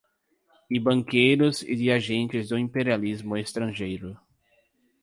e banqueiros e de agentes do imperialismo estrangeiro